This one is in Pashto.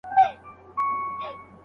هغه کس په ټونس کي ځان ته اور واچاوه.